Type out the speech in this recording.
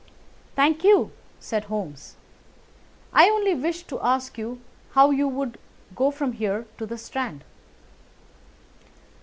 "Thank you," said Holmes, "I only wished to ask you how you would go from here to the Strand."